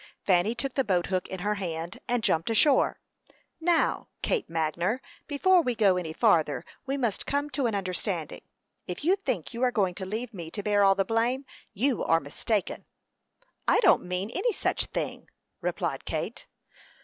Fanny took the boat hook in her hand, and jumped ashore. "Now, Kate Magner, before we go any farther, we must come to an understanding. If you think you are going to leave me to bear all the blame, you are mistaken." "I don't mean any such thing," replied Kate.